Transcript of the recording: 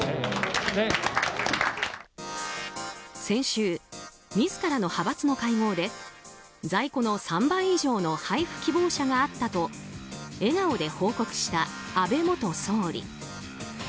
先週、自らの派閥の会合で在庫の３倍以上の配布希望者があったと笑顔で報告した安倍元総理。